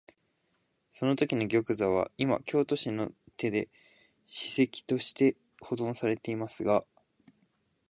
そのときの玉座は、いま京都市の手で史跡として保存されていますが、